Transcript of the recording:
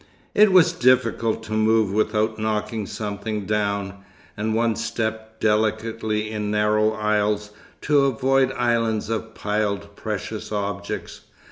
It was difficult to move without knocking something down, and one stepped delicately in narrow aisles, to avoid islands of piled, precious objects.